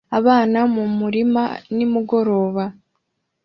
Abana mu murima nimugoroba